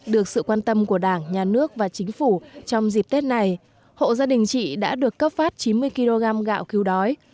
được sự quan tâm của đảng nhà nước và chính phủ trong dịp tết này hộ gia đình chị đã được cấp phát chín mươi kg gạo cứu đói